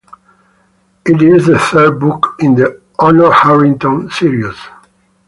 It is the third book in the Honor Harrington series.